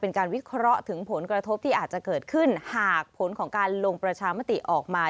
เป็นการวิเคราะห์ถึงผลกระทบที่อาจจะเกิดขึ้นหากผลของการลงประชามติออกมา